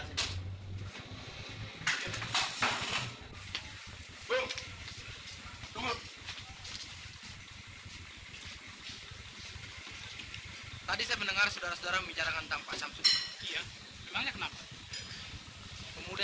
itu semua dilakukan untuk menyenangkan hati anaknya